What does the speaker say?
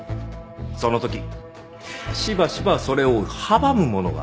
その時しばしばそれを阻むものがある。